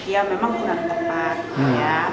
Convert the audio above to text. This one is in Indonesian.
ya memang kurang tepat